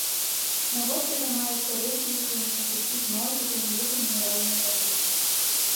На востраве маюцца рэкі і крыніцы пітной, у тым ліку мінеральнай вады.